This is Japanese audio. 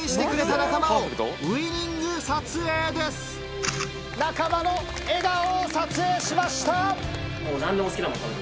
仲間の笑顔を撮影しました！